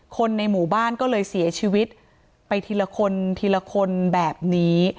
คนในหมู่บ้านก็เลยเสียชีวิตไปทีละคนทีละคนแบบนี้